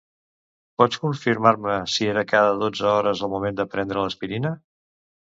Pots confirmar-me si era cada dotze hores el moment de prendre l'Aspirina?